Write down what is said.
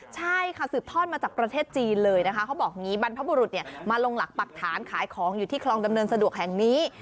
ใช่ค่ะสืบทอดมาจากประเทศจีนเลยนะคะเขาบอกอย่างนี้บรรพบุรุษมาลงหลักปักฐานขายของอยู่ที่คลองดำเนินสะดวกแห่งนี้